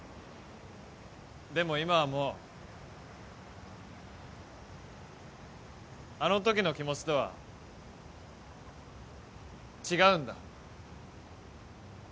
でも今はもうあのときの気持ちとは違うんだ。